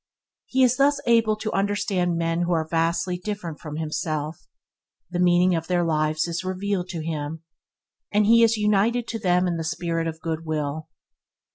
He is thus able to understand men who are vastly different from himself; the meaning of their lives is revealed to him, and he is united to them in the spirit of goodwill.